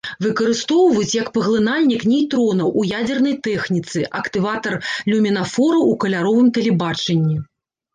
Выкарыстоўваюць як паглынальнік нейтронаў у ядзернай тэхніцы, актыватар люмінафораў у каляровым тэлебачанні.